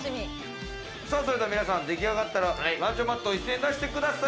さぁ、それでは皆さん、出来上がったランチョンマットを一斉に出してください。